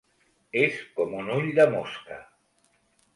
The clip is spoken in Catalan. És com un ull de mosca!